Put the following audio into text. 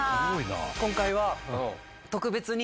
今回は特別に。